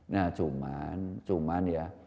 nah cuman cuman ya